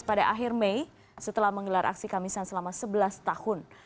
pada akhir mei setelah menggelar aksi kamisan selama sebelas tahun